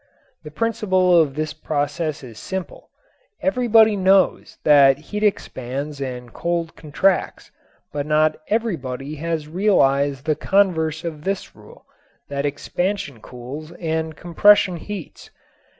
The principle of this process is simple. Everybody knows that heat expands and cold contracts, but not everybody has realized the converse of this rule, that expansion cools and compression heats.